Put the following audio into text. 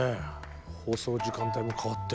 放送時間帯も変わって。